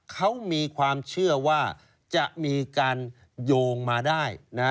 เขามีความเชื่อว่าจะมีการโยงมาได้